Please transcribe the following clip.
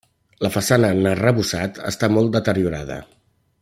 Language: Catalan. La façana en arrebossat està molt deteriorada.